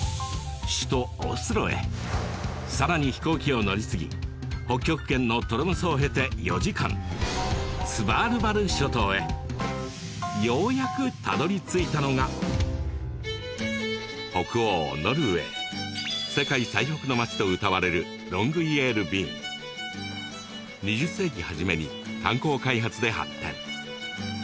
首都オスロへさらに飛行機を乗り継ぎ北極圏のトロムソを経て４時間スヴァールバル諸島へようやくたどり着いたのが北欧ノルウェー世界最北の町とうたわれるロングイェールビーン２０世紀初めに炭鉱開発で発展